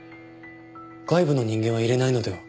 外部の人間は入れないのでは？